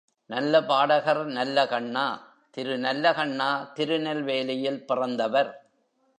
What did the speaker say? நல்ல பாடகர் நல்லகண்ணா திரு கல்லகண்ணா திருநெல்வேலியில் பிறந்தவர்.